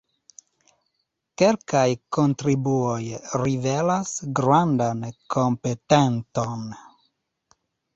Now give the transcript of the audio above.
Kelkaj kontribuoj rivelas grandan kompetenton.